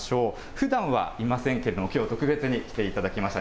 ふだんはいませんけれども、きょう特別に来ていただきました。